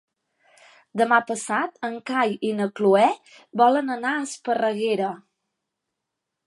Demà passat en Cai i na Cloè volen anar a Esparreguera.